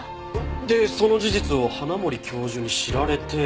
でその事実を花森教授に知られて。